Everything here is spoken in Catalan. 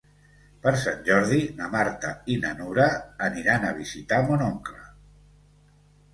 Per Sant Jordi na Marta i na Nura aniran a visitar mon oncle.